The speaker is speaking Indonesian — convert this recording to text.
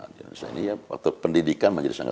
dan tidak bisa